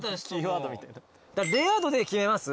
レア度で決めます？